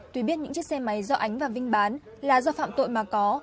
tuy biết những chiếc xe máy do ánh và vinh bán là do phạm tội mà có